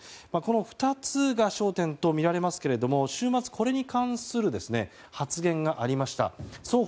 この２つが焦点とみられますけれど週末、これに関する双方から発言がありました。